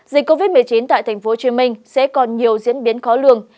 dịch covid một mươi chín tại tp hcm sẽ còn nhiều diễn biến khó lường